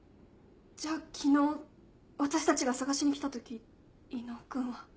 じゃあ昨日私たちが捜しに来た時伊能君は。